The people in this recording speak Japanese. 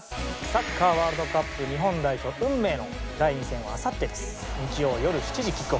サッカーワールドカップ日本代表運命の第２戦はあさってです。